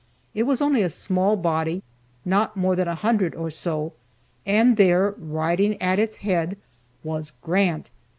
It was only a small body, not more than a hundred or so, and there, riding at its head, was Grant!